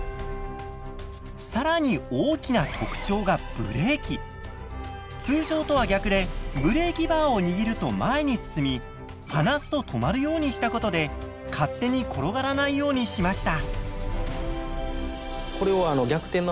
更に大きな特徴がブレーキバーを握ると前に進み離すと止まるようにしたことで勝手に転がらないようにしました。